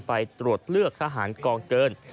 ไปตรวจเลือกทหารกองเกิน